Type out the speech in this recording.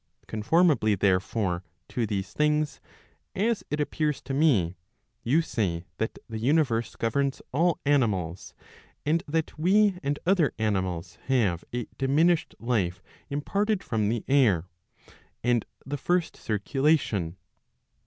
* Conformably, therefore, to these things, as it appears to me, you say that the universe governs all animals, and that we and other animals have a diminished life imparted from the air, and the first circulation.